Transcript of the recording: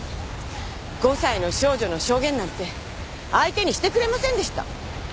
５歳の少女の証言なんて相手にしてくれませんでした。